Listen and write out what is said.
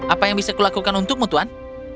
apa yang bisa kulakukan untukmu tuan